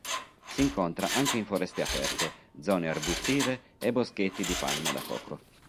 Si incontra anche in foreste aperte, zone arbustive e boschetti di palme da cocco.